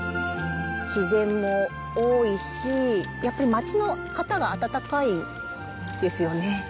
自然も多いしやっぱり町の方が温かいですよね。